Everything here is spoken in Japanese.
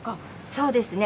そうですね。